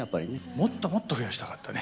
もっともっと増やしたかったね。